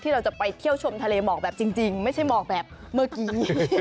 เราจะไปเที่ยวชมทะเลหมอกแบบจริงไม่ใช่หมอกแบบเมื่อกี้